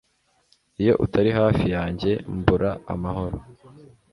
iyo utari hafi, yanjye mbura amahoro